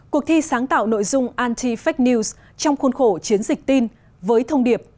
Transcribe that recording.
cuộc thi sáng tạo nội dung anty fake news trong khuôn khổ chiến dịch tin với thông điệp